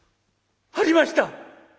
「ありました！」。